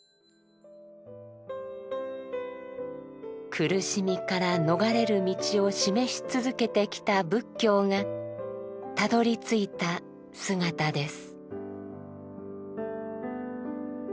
苦しみから逃れる道を示し続けてきた仏教がたどりついた姿です。